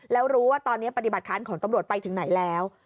แล้วรู้ว่าตอนนี้ปฏิบัติค้านของตำรวจไปถึงไหนแล้ว